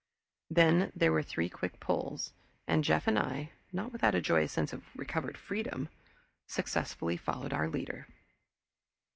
Then there were three quick pulls, and Jeff and I, not without a joyous sense of recovered freedom, successfully followed our leader.